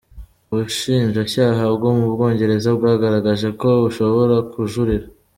Ubushinjacyaha bwo mu Bwongereza bwagaragaje ko bushobora kujurira.